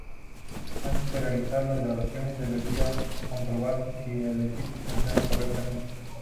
Antes de realizar las grabaciones, debería comprobarse si el equipo funciona correctamente.